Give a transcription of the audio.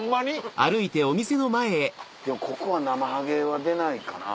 ここはナマハゲは出ないかな。